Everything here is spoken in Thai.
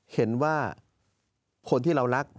เห็นว่าคนที่เรารัก